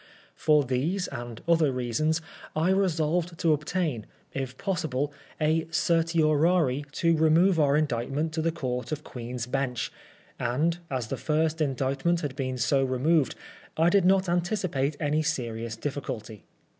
For these and other reasons I resolved to obtain, if possible, a certiorari to remove our Indictment to th& PHEPASmO lOB TBIAL. 59 Court of Queen's Bench ; and as the first Indictment had been so removed, I did not anticipate any serious difficulty.